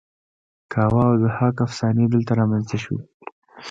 کاوه او ضحاک افسانې دلته رامینځته شوې